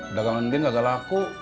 udah kangen ndin gagal laku